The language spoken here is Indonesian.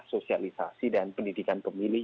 sosialisasi dan pendidikan pemilih